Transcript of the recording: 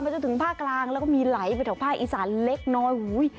จนถึงภาคกลางแล้วก็มีไหลไปแถวภาคอีสานเล็กน้อย